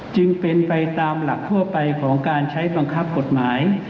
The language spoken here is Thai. จึงเป็นไปตามหลักทั่วไปของการใช้บังคับกฎหมาย